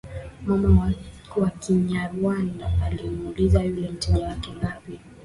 mama wa Kinyarwanda alimuuliza yule mteja wake ngapi